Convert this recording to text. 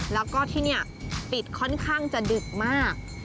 แล้วก็ที่นี่ปิดค่อนข้างจะดึกมาก